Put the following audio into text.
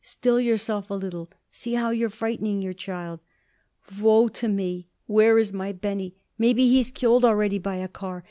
"Still yourself a little! See how you're frightening your child." "Woe to me! Where is my Benny? Maybe he's killed already by a car.